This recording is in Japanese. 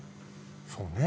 そうね。